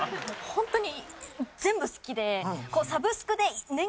ホントに全部好きで。